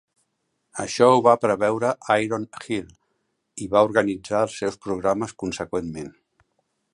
Això ho va preveure Iron Heel i va organitzar els seus programes conseqüentment.